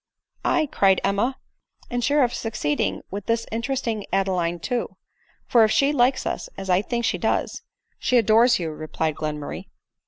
" Aye," cried Emma, " and sure of succeeding with this interesting Adeline too ; for if she likes us, as I think she does—" " She adores you," replied Glenmurray.